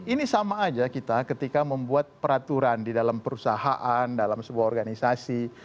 ini sama aja kita ketika membuat peraturan di dalam perusahaan dalam sebuah organisasi